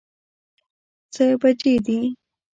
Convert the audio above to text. څه بجې دي؟